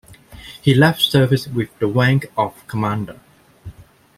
He left service with the rank of commander.